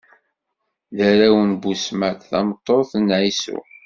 D arraw n Busmat, tameṭṭut n Ɛisu.